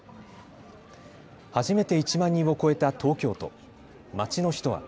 初めて１万人を超えた東京都。